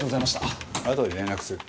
あとで連絡する。